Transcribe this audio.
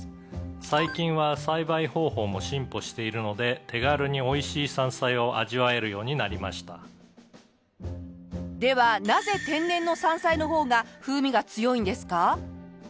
「最近は栽培方法も進歩しているので手軽においしい山菜を味わえるようになりました」ではなぜ天然の山菜の方が風味が強いんですか？